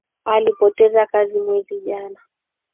Alipoteza kazi mwezi jana